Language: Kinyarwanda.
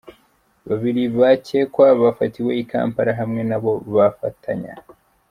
Babiri bakekwa bafatiwe i Kampala hamwe n’abo bafatanya.”